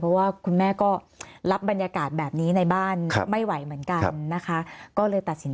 เพราะว่าคุณแม่ก็รับบรรยากาศแบบนี้ในบ้านไม่ไหวเหมือนกันนะคะก็เลยตัดสิน